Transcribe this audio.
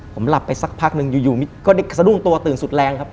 ผมหลับไปสักพักหนึ่งอยู่ก็ได้สะดุ้งตัวตื่นสุดแรงครับ